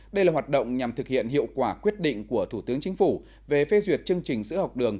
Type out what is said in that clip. đây là hoạt động nhằm thực hiện hiệu quả quyết định của thủ tướng chính phủ về phê duyệt chương trình sữa học đường